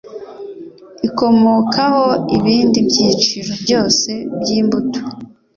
ikomokaho ibindi byiciro byose by imbuto